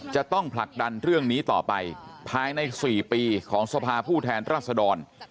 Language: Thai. จะต้องผลักดันเรื่องนี้ต่อไปภายใน๔ปีของสภาผู้แทนรัศดร